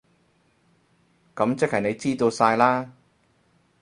噉即係你知道晒喇？